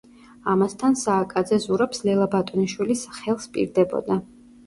ამასთან, სააკაძე ზურაბს ლელა ბატონიშვილის ხელს ჰპირდებოდა.